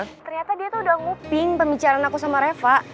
ternyata dia tuh udah nguping pembicaraan aku sama reva